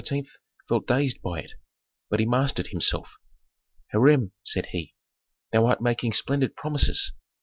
felt dazed by it. But he mastered himself. "Hiram," said he, "thou art making splendid promises.